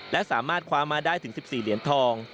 และสามารถคว้ามาได้ถึง๑๔เหรียญทอง